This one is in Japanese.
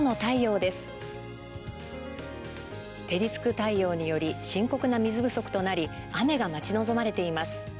照りつく太陽により深刻な水不足となり雨が待ち望まれています。